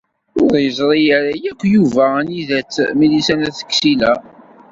Ur yeẓri ara akk Yuba anida-tt Milisa n At Ksila.